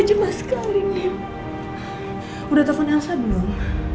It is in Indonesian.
udah telfon elsa belum